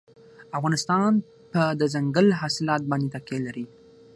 افغانستان په دځنګل حاصلات باندې تکیه لري.